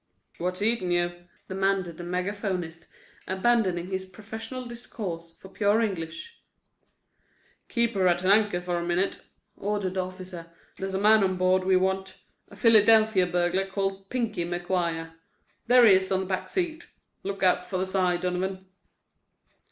"What's eatin' you?" demanded the megaphonist, abandoning his professional discourse for pure English. "Keep her at anchor for a minute," ordered the officer. "There's a man on board we want—a Philadelphia burglar called 'Pinky' McGuire. There he is on the back seat. Look out for the side, Donovan."